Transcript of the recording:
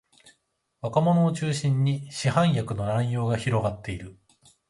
若者を中心に市販薬の乱用が広がっている